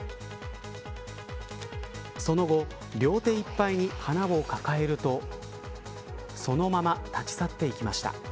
その後両手いっぱいに花を抱えるとそのまま立ち去っていきました。